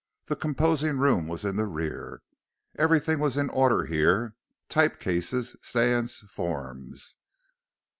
The composing room was in the rear. Everything was in order here; type cases, stands, forms.